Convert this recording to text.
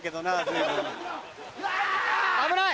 危ない！